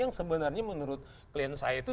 yang sebenarnya menurut klien saya itu